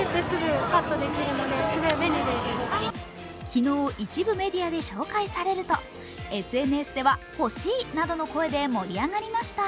昨日、一部メディアで紹介されるとＳＮＳでは、欲しいなどの声で盛り上がりました。